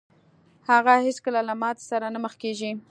هغه هېڅکله له ماتې سره نه مخ کېږي.